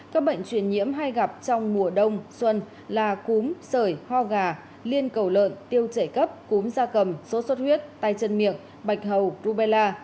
các bệnh truyền nhiễm hay gặp trong mùa đông xuân là cúm sởi ho gà liên cầu lợn tiêu chảy cấp cúm da cầm sốt xuất huyết tay chân miệng bạch hầu grubella